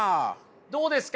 どうですか？